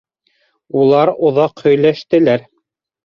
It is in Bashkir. Улар оҙаҡ һөйләштеләр.